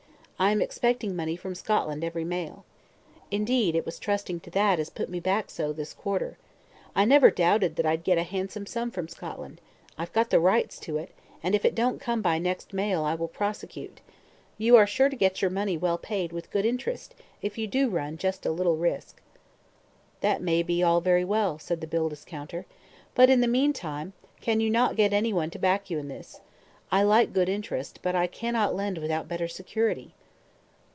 I am expecting money from Scotland every mail. Indeed, it was trusting to that as put me so back this quarter. I never doubted that I'd get a handsome sum from Scotland; I've got the rights to it, and if it don't come by next mail, I will prosecute. You are sure to get your money well paid, with good interest, if you do run just a little risk." "That may be all very well," said the bill discounter; "but, in the meantime, can you not get any one to back you in this? I like good interest, but I cannot lend without better security."